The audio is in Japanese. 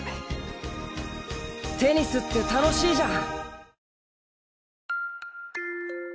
テニスって楽しいじゃん！